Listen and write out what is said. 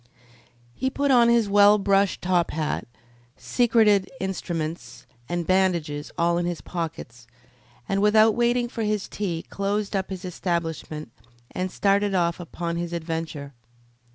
He put on his well brushed top hat, secreted instruments and bandages in all his pockets, and without waiting for his tea closed up his establishment and started off upon his adventure.